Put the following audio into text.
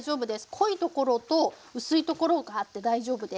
濃いところと薄いところがあって大丈夫です。